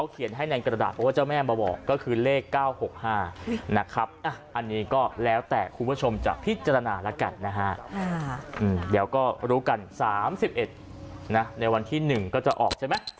เดี๋ยวก็รู้กัน๓๑ในวันที่๑ก็จะออกใช่ไหม